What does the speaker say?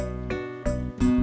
emang pak dijjian